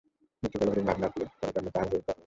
মৃত্যুকালে হরিণ-ভাবনার ফলে পরজন্মে তাঁহার হরিণ-দেহ হইল।